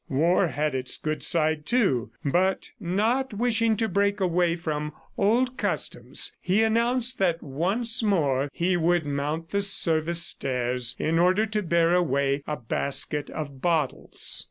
War had its good side, too ... but not wishing to break away from old customs, he announced that once more he would mount the service stairs in order to bear away a basket of bottles.